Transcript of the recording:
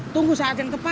tunggu saat yang tepat